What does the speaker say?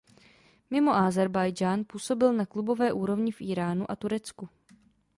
Mimo Ázerbájdžán působil na klubové úrovni v Íránu a Turecku.